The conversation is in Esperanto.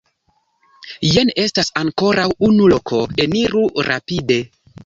Jen estas ankoraŭ unu loko, eniru rapide.